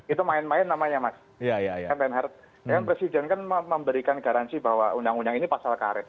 itu main main namanya mas presiden kan memberikan garansi bahwa undang undang ini pasal karet